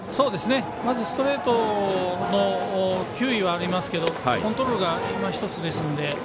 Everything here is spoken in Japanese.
まずストレートの球威はありますけどコントロールがいまひとつなので。